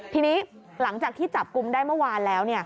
ทีนี้หลังจากที่จับกลุ่มได้เมื่อวานแล้ว